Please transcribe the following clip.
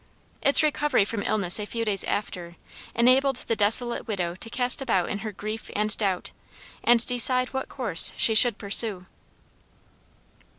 Its recovery from illness a few days after, enabled the desolate widow to cast about her in grief and doubt, and decide what course she should pursue.